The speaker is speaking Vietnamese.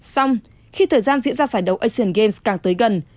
xong khi thời gian diễn ra giải đấu asian games càng tới gần